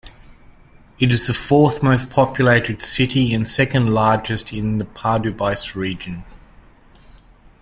It is the fourth most populated city and second largest in the Pardubice Region.